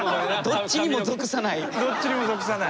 どっちにも属さない！